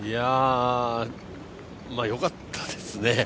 まぁ、よかったですね。